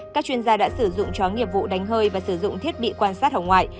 các chuyên gia đã sử dụng chó nghiệp vụ đánh hơi và sử dụng thiết bị quan sát hồng ngoại